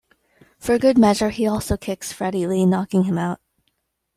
For good measure, he also kicks Freddy Li, knocking him out.